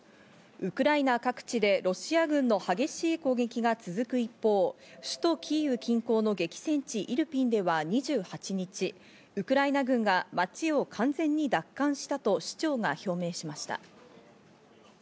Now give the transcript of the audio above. ウクライナ各地でロシア軍の激しい攻撃が続く一方、首都キーウ近郊の激戦地イルピンでは２８日、ウクライナ軍が町を完全に奪還したと市長が表明しました。